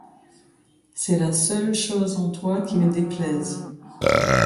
C’est la seule chose en toi qui me déplaise.